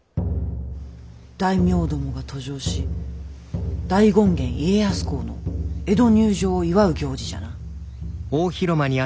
大名どもが登城し大権現家康公の江戸入城を祝う行事じゃな。